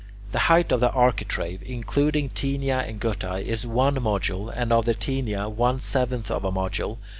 The height of the architrave, including taenia and guttae, is one module, and of the taenia, one seventh of a module.